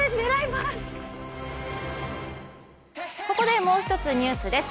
ここでもう一つニュースです。